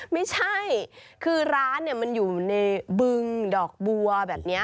ไม่ใช่คือร้านมันอยู่ในบึงดอกบัวแบบนี้